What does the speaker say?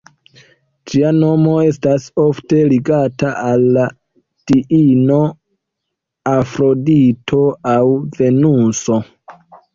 Ĝia nomo estas ofte ligata al la diino Afrodito aŭ Venuso.